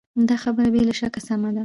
دا خبره بې له شکه سمه ده.